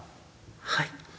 「はい。